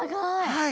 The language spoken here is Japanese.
はい。